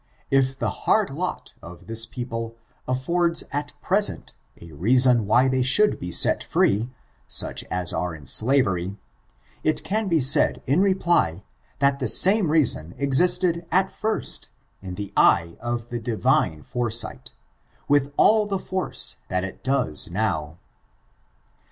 If the hard lot of this peo ple affords at present a reason why they should bd set free, such as are in slavery, it can be said in re ply, that the same reason existed at first, in the eye of the Divine foresight, with all the force that it does now.